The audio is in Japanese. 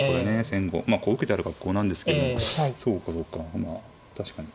先後まあこう受けてある格好なんですけどそうかそうかまあ確かに。